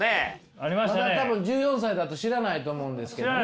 あれは多分１４歳だと知らないと思うんですけどね。